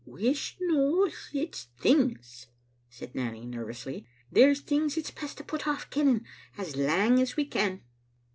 "Wish no sic things," said Nanny nervously. " There's things it's best to put off kenning as lang as we can."